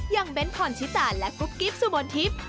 อย่างเบนท์พรชิตาและกุ๊บกิ๊บสุบนทิพย์